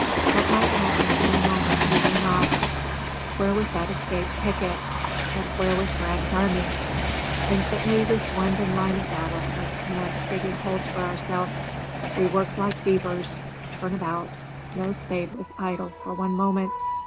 What might happen any moment we knew not. Where was that escaped picket? And where was Braggs' army? Instantly we formed in line of battle and commenced digging holes for ourselves. We worked like beavers, turn about; no spade was idle for one moment.